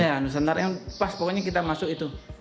ya nusantara yang pas pokoknya kita masuk itu